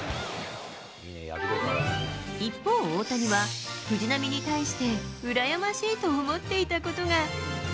一方、大谷は、藤浪に対して羨ましいと思っていたことが。